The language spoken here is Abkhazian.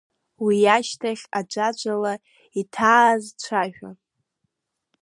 Уи иашьҭахь аӡәаӡәала иҭааз цәажәон.